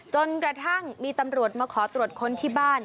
จนกระทั่งมีตำรวจมาขอตรวจค้นที่บ้าน